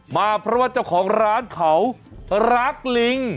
มาเพราะว่าเจ้าของร้านเขารักลิง